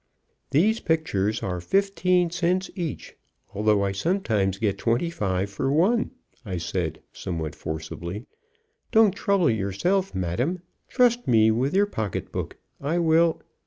"These pictures are fifteen cents each, although I sometimes get twenty five for one," I said somewhat forcibly; "don't trouble yourself, madam, trust me with your pocket book, I will